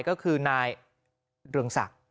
ก็คือนายเรืองศักดิ์